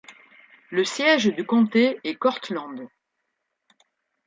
Le siège du comté est Cortland.